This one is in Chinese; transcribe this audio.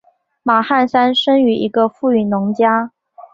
马汉三生于一个富裕农家。